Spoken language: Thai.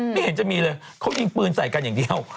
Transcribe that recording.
ไม่เห็นจะมีเลยเขายิงปืนใส่กันอย่างเดียว